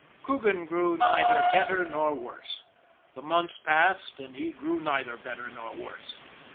Coogan grew neither better nor worse. The months passed, and he grew neither better nor worse.